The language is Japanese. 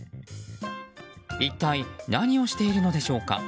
一体何をしているのでしょうか。